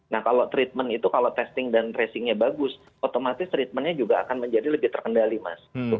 nah kalau treatment itu kalau testing dan tracingnya bagus otomatis treatmentnya juga akan menjadi lebih terkendali mas